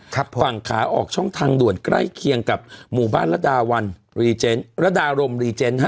ฝั่งขาออกช่องทางด่วนใกล้เคียงกับหมู่บ้านระดาวันรีเจนระดารมรีเจนฮะ